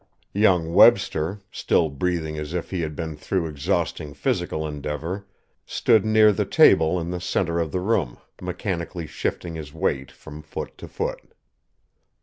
Young Webster, still breathing as if he had been through exhausting physical endeavour, stood near the table in the centre of the room, mechanically shifting his weight from foot to foot.